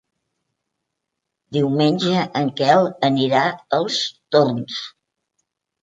Diumenge en Quel anirà als Torms.